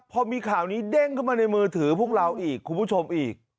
พอมีข่าวนี้เด้งขึ้นมาในมือถือพวกเราอีกคุณผู้ชมอีก